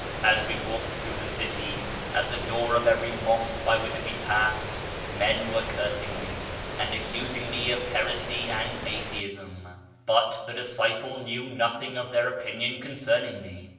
As we walked through the city, at the door of every mosque by which we passed men were cursing me, and accusing me of heresy and atheism ; but the disciple knew nothing of their opinion concerning me.